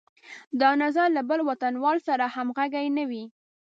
دا نظر له بل وطنوال سره همغږی نه وي.